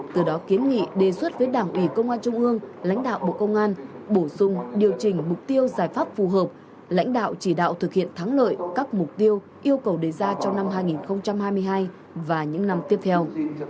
từ đó kiến nghị đề xuất với đảng ủy công an trung ương lãnh đạo bộ công an bổ sung điều chỉnh mục tiêu giải pháp phù hợp lãnh đạo chỉ đạo thực hiện thắng lợi các mục tiêu yêu cầu đề ra trong năm hai nghìn hai mươi hai và những năm tiếp theo